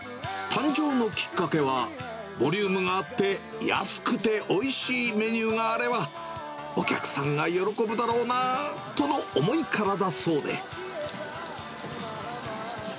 誕生のきっかけは、ボリュームがあって安くておいしいメニューがあれば、お客さんが喜ぶだろうなとの思いからだそうで。